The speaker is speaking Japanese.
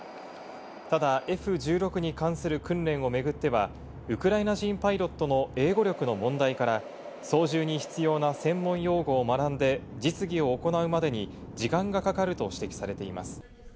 ただ、Ｆ１６に関する訓練を巡っては、ウクライナ人パイロットの英語力の問題から、操縦に必要な専門用語を学んで、実技を行うまでに時間がかかると指摘されています。